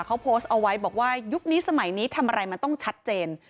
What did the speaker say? เขาโพสต์เอาไว้บอกว่ายุคนี้สมัยนี้ทำอะไรมันต้องชัดเจน